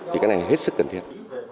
thì cái này hết sức cần thiết